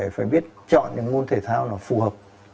phải biết chọn những môn thể thao nó phù hợp